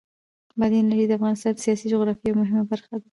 بادي انرژي د افغانستان د سیاسي جغرافیه یوه مهمه برخه ده.